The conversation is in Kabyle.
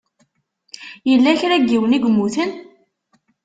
Yella kra n yiwen i yemmuten?